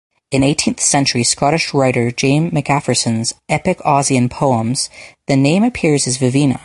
In eighteenth-century Scottish writer James Macpherson's epic Ossian poems, the name appears as Vevina.